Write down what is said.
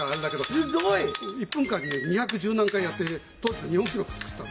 すごい！１分間に２１０何回やって当時の日本記録作ったの。